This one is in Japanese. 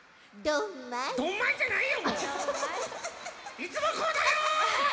いつもこうだよ！